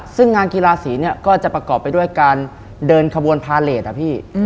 ซึ่งงานกีฬาสีเนี่ยก็จะประกอบไปด้วยการเดินขบวนพาเลสอะพี่